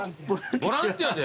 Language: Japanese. ボランティアで？